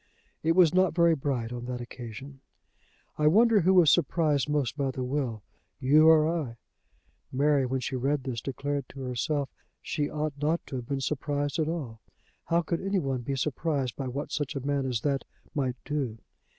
It was not very bright on that occasion. "I wonder who was surprised most by the will, you or I?" Mary, when she read this, declared to herself that she ought not to have been surprised at all. How could anyone be surprised by what such a man as that might do?